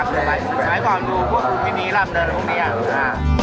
สนัยก่อนดูพวกอุทีมีนีร่ำเดินหรือไม่รู้นะ